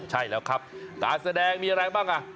ใช่แล้วครับการแสดงมีอะไรบ้างอ่ะ